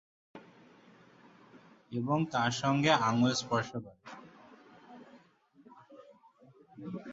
এবং তার সঙ্গে আঙ্গুল স্পর্শ করে।